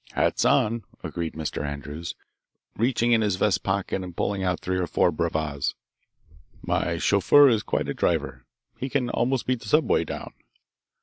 "Hats on," agreed Mr. Andrews, reaching in his vest pocket and pulling out three or four brevas. "My chauffeur is quite a driver. He can almost beat the subway down."